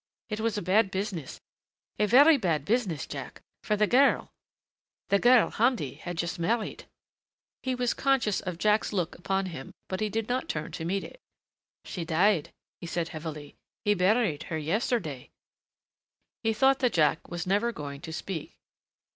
It was a bad business, a very bad business, Jack. For the girl the girl Hamdi had just married " He was conscious of Jack's look upon him but he did not turn to meet it. "She died," he said heavily. "He buried her yesterday." He thought that Jack was never going to speak.